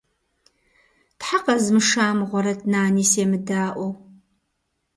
Тхьэ къэзмыша мыгъуэрэт, Нани семыдаӏуэу.